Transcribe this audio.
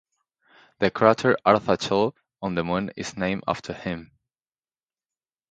The crater Arzachel on the Moon is named after him.